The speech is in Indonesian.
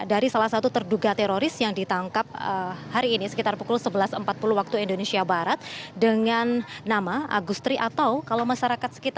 dari salah satu terduga teroris yang ditangkap hari ini sekitar pukul sebelas empat puluh waktu indonesia barat dengan nama agustri atau kalau masyarakat sekitar